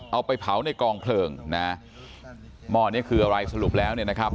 เอาไปเผาในกองเพลิงนะหม้อนี้คืออะไรสรุปแล้วเนี่ยนะครับ